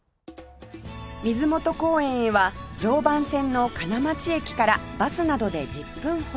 水元公園へは常磐線の金町駅からバスなどで１０分ほど